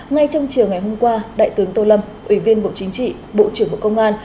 ngay trong chiều ngày hôm qua đại tướng tô lâm ủy viên bộ chính trị bộ trưởng bộ công an